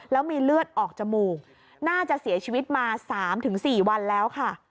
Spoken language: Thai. แล้วมีเลือดออกจมูกน่าจะเสียชีวิตมา๓๔วันแล้วค่ะ